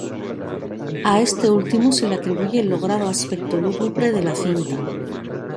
A este último se le atribuye el logrado aspecto lúgubre de la cinta.